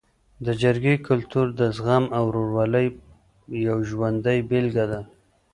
د جرګې کلتور د زغم او ورورولۍ یو ژوندی بېلګه ده.